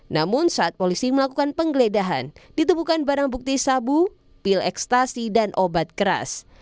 namun saat polisi melakukan penggeledahan ditemukan barang bukti sabu pil ekstasi dan obat keras